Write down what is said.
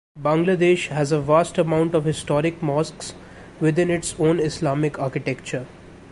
Bangladesh has a vast amount of historic mosques with its own Islamic architecture.